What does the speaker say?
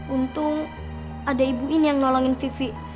untung ada ibu ini yang nolongin vivi